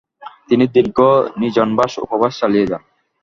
তিনি দীঘ নিজনবাস উপবাস চালিয়ে যান।